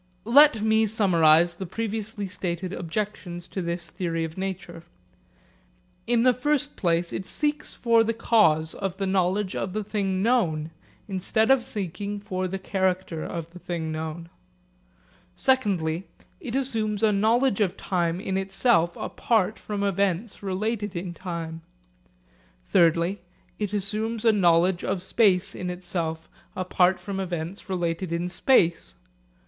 Let me summarise the previously stated objections to this theory of nature. In the first place it seeks for the cause of the knowledge of the thing known instead of seeking for the character of the thing known: secondly it assumes a knowledge of time in itself apart from events related in time: thirdly it assumes a knowledge of space in itself apart from events related in space.